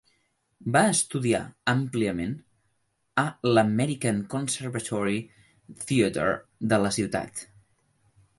Va estudiar àmpliament a l'American Conservatory Theater de la ciutat.